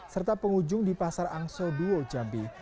serta pengunjung di pasar angso duo jambi